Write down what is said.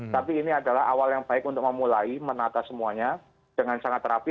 tapi ini adalah awal yang baik untuk memulai menata semuanya dengan sangat rapi